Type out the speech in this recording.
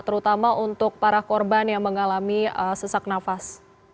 terutama untuk para korban yang mengalami sesak nafas